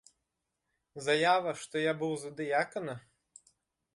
Заява, што я быў за дыякана?